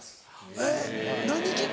えっ？